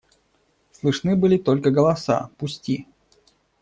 Слышны были только голоса: – Пусти!